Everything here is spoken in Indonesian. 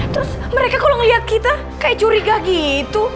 terus mereka kalau ngeliat kita kayak curiga gitu